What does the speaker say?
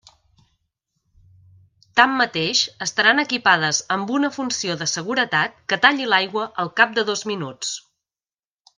Tanmateix, estaran equipades amb una funció de seguretat que talli l'aigua al cap de dos minuts.